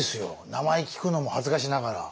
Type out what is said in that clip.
名前聞くのも恥ずかしながら。